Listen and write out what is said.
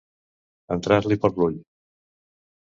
Entrar-li per l'ull.